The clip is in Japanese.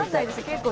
結構。